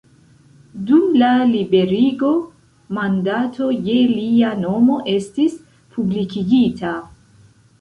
Dum la Liberigo, mandato je lia nomo estis publikigita.